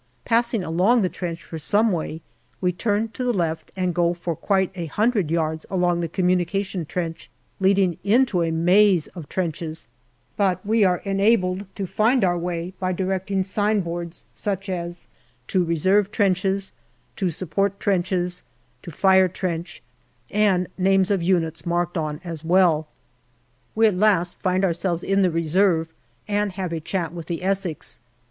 Passing along the trench for some way, we turn to the left, and go for quite a hundred yards along the com munication trench, leading into a maze of trenches, but 144 GALLIPOLI DIARY we are enabled to find our way by directing sign boards, such as "To Reserve Trenches/' "To Support Trenches/' " To Fire Trench/' and names of units marked on as well. We at last find ourselves in the Reserve, and have a chat with the Essex.